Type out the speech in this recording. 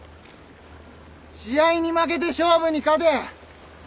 試合に負けて勝負に勝て！